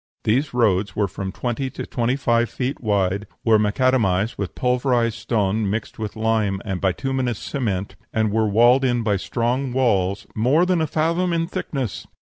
These roads were from twenty to twenty five feet wide, were macadamized with pulverized stone mixed with lime and bituminous cement, and were walled in by strong walls "more than a fathom in thickness."